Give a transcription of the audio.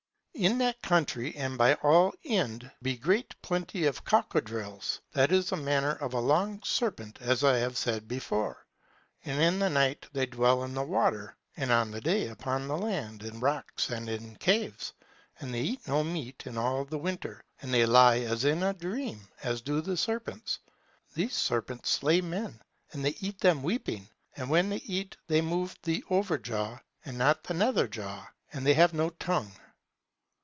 In that country and by all Ind be great plenty of cockodrills, that is a manner of a long serpent, as I have said before. And in the night they dwell in the water, and on the day upon the land, in rocks and in caves. And they eat no meat in all the winter, but they lie as in a dream, as do the serpents. These serpents slay men, and they eat them weeping; and when they eat they move the over jaw, and not the nether jaw, and they have no tongue.